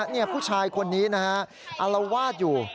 นี่ผู้ชายคนนี้นะฮะอารวาสอยู่